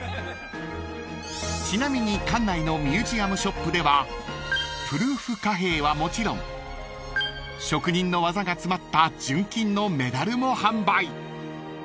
［ちなみに館内のミュージアムショップではプルーフ貨幣はもちろん職人の技が詰まった純金のメダルも販売］